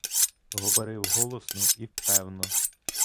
Говорив голосно і певно.